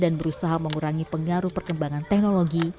dan berusaha mengurangi pengaruh perkembangan teknologi